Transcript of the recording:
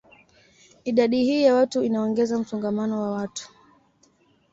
Idadi hii ya watu inaongeza msongamano wa watu